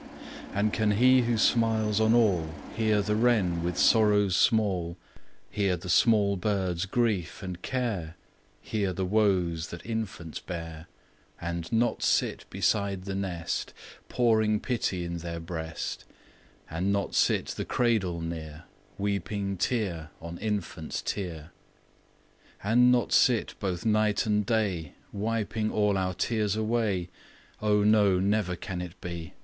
And can He who smiles on all Hear the wren with sorrows small, Hear the small bird's grief and care, Hear the woes that infants bear, And not sit beside the nest, Pouring pity in their breast; And not sit the cradle near, Weeping tear on infant's tear; And not sit both night and day, Wiping all our tears away? O, no! never can it be!